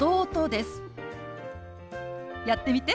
やってみて。